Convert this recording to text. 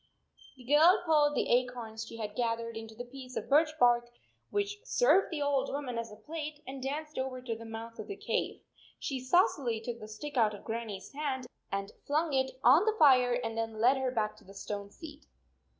The girl poured the acorns she had gath ered into the piece of birch bark \vhich served the old woman as a plate, and danced over to the mouth of the cave. She saucily took the stick out of Grannie s hand and flung it on the fire, and then led her back to the stone seat.